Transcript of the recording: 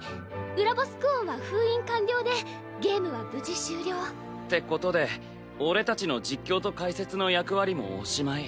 裏ボスクオンは封印完了でゲームは無事終了。ってことで俺たちの実況と解説の役割もおしまい。